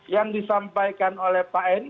yang disampaikan oleh pak en